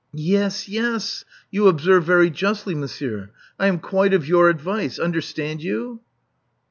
Yes, yes. You observe very justly, monsieur. I am quite of your advice. Understand you?"